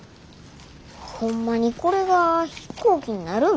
ホンマにこれが飛行機になるん？